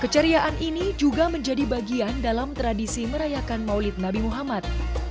keceriaan ini juga menjadi bagian dalam tradisi merayakan maulid nabi muhammad